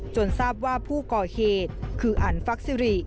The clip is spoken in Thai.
ทราบว่าผู้ก่อเหตุคืออันฟักซิริ